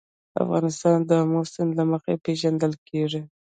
افغانستان د آمو سیند له مخې پېژندل کېږي.